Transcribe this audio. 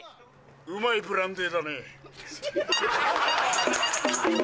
うまいブランデーだね。